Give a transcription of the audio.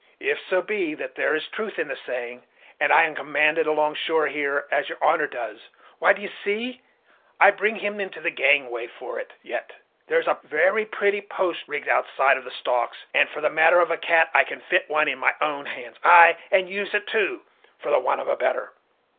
If so be that there is truth in the saying, and I commanded along shore here, as your honor does, why, d'ye see, I'd bring him to the gangway for it, yet. There's a very pretty post rigged alongside of the stocks; and for the matter of a cat, I can fit one with my own hands; ay! and use it too, for the want of a better."